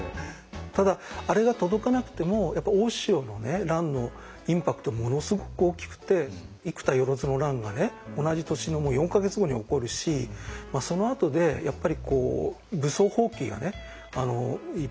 ただあれが届かなくてもやっぱ大塩の乱のインパクトものすごく大きくて生田万の乱がね同じ年の４か月後に起こるしそのあとでやっぱり武装蜂起がねいっぱい出てくるわけですよ。